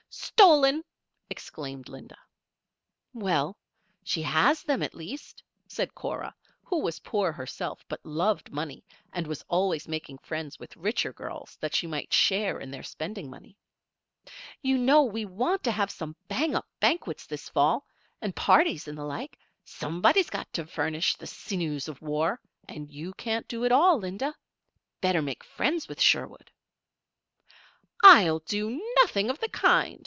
"Stolen!" exclaimed Linda. "Well, she has them, at least," said Cora, who was poor herself but loved money, and was always making friends with richer girls that she might share in their spending money. "You know, we want to have some bang up banquets this fall, and parties and the like. Somebody's got to furnish the 'sinews of war' and you can't do it all, Linda. Better make friends with Sherwood." "I'll do nothing of the kind!"